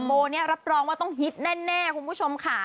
โบนี้รับรองว่าต้องฮิตแน่คุณผู้ชมค่ะ